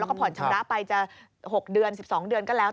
แล้วก็ผ่อนชำระไปจะ๖เดือน๑๒เดือนก็แล้ว